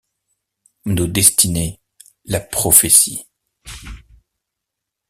...nos destinées, la prophétie.